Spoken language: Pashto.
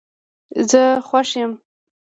زه خوښ یم